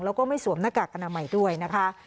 แล้วก็ไม่สวมหน้ากากอนามัยด้วยนะคะ